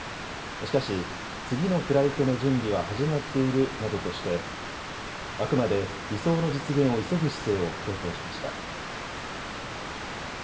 しかし次のフライトの準備は始まっているなどとして、あくまで移送の実現を急ぐ姿勢を強調しました。